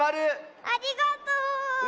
ありがとう！